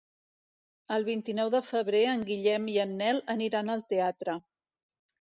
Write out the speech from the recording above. El vint-i-nou de febrer en Guillem i en Nel aniran al teatre.